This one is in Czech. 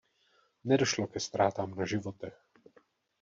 Nedošlo ke ztrátám na životech.